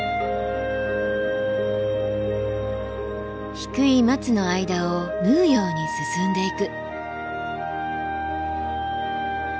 低いマツの間を縫うように進んでいく。